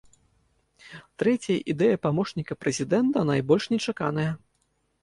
Трэцяя ідэя памочніка прэзідэнта найбольш нечаканая.